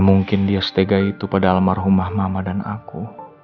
mungkin dia stega itu pada almarhumah mama dan aku